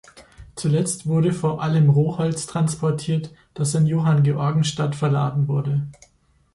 Zuletzt wurde vor allem Rohholz transportiert, das in Johanngeorgenstadt verladen wurde.